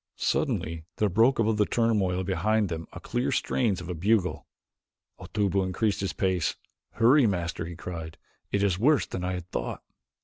Suddenly there broke above the turmoil behind them the clear strains of a bugle. Otobu increased his pace. "Hurry, Master," he cried, "it is worse than I had thought."